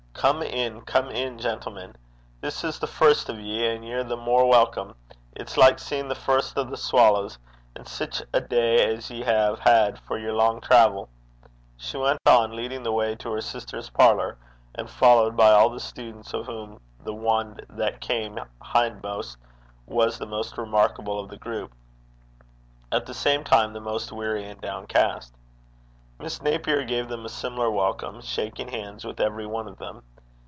'Come in, come in, gentlemen. This is the first o' ye, and ye're the mair welcome. It's like seein' the first o' the swallows. An' sic a day as ye hae had for yer lang traivel!' she went on, leading the way to her sister's parlour, and followed by all the students, of whom the one that came hindmost was the most remarkable of the group at the same time the most weary and downcast. Miss Napier gave them a similar welcome, shaking hands with every one of them.